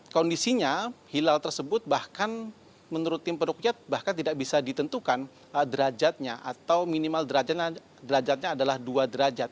kondisinya hilal tersebut bahkan menurut tim perukyat bahkan tidak bisa ditentukan derajatnya atau minimal derajatnya adalah dua derajat